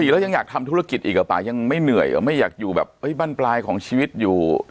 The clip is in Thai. แล้วยังอยากทำธุรกิจอีกเหรอป่ายังไม่เหนื่อยหรอไม่อยากอยู่แบบบ้านปลายของชีวิตอยู่